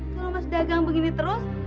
kalau mas dagang begini terus